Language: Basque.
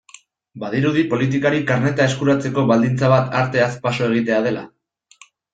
Badirudi politikari karneta eskuratzeko baldintza bat arteaz paso egitea dela?